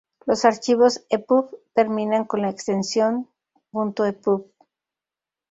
Los archivos ePub terminan con la extensión ".epub".